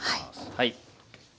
はい。